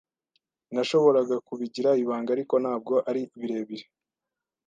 Nashoboraga kubigira ibanga, ariko ntabwo ari birebire.